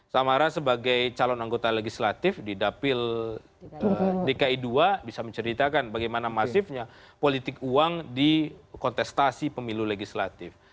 samara sebagai calon anggota legislatif di dapil dki dua bisa menceritakan bagaimana masifnya politik uang di kontestasi pemilu legislatif